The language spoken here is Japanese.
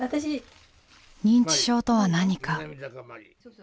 認知症とは何か。